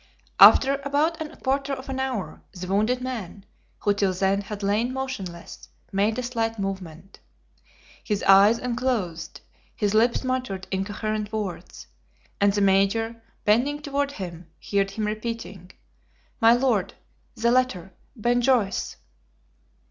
After about a quarter of an hour, the wounded man, who till then had lain motionless, made a slight movement. His eyes unclosed, his lips muttered incoherent words, and the Major, bending toward him, heard him repeating: "My Lord the letter Ben Joyce."